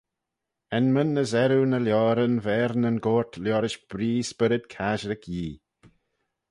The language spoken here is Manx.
Enmyn as earroo ny lioaryn v'er nyn goyrt liorish bree spyrryd casherick Yee.